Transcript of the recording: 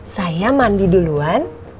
saya mandi duluan